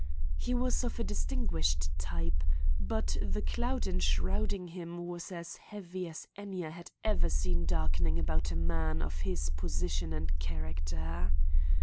He was of a distinguished type; but the cloud enshrouding him was as heavy as any I had ever seen darkening about a man of his position and character.